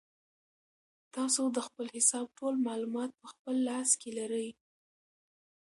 تاسو د خپل حساب ټول معلومات په خپل لاس کې لرئ.